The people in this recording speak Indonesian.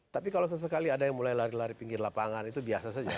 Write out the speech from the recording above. tapi kalau sesekali ada yang mulai lari lari pinggir lapangan itu biasa saja